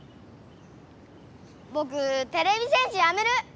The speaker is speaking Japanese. ぼくてれび戦士やめる！